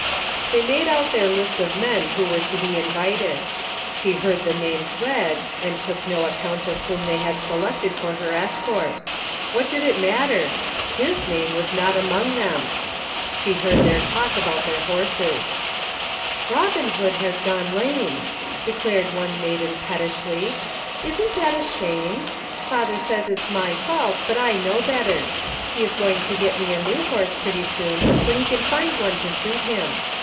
They made out their list of men who were to be invited. She heard the names read, and took no account of whom they had selected for her escort. What did it matter ? His name was not among them ! She heard their talk about their horses. " Robin Hood has gone lame," declared one maiden 195 THE FINDING OF JASFEB HOLT pettishly, " isn't that a shame? Father says it's my fault, but I know better. He's going to get me a new horse pretty soon when he can find one to suit him.